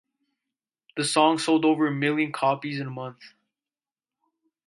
The song sold over a million copies in a month.